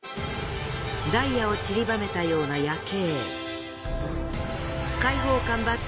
ダイヤをちりばめたような夜景。